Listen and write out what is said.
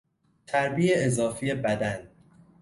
چربی اضافی بدن